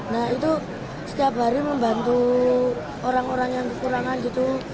nah itu setiap hari membantu orang orang yang kekurangan gitu